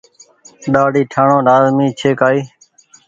ڏآڙي ٺآڻو لآزمي ڇي۔ ڪآئي۔